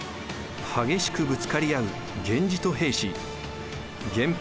激しくぶつかり合う源氏と平氏源平